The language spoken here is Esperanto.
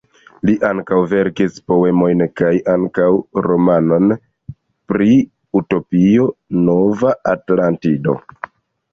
Li ankaŭ verkis poemojn kaj ankaŭ romanon pri utopio, Nova Atlantido.